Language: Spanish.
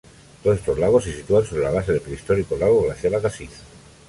Todos estos lagos se sitúan sobre la base del prehistórico lago Glacial Agassiz.